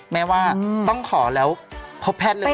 แม่ว่าต้องขอแล้วพบแพทย์เลย